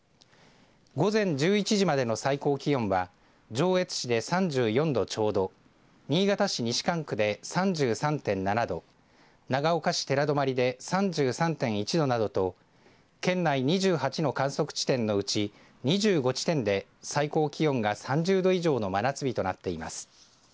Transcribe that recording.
午前１１時までの最高気温は上越市で３４度ちょうど新潟市西蒲区で３３．７度長岡市寺泊で３３．１度などと県内２８の観測地点のうち２５地点で最高気温が３０度以上の真夏日となっています。